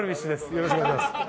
よろしくお願いします。